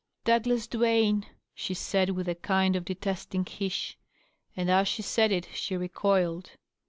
" Douglas Duane P' she said, with a kind of detesting hiss ; and as she said it she recoiled.